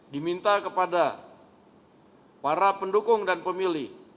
diminta kepada para pendukung dan pemilih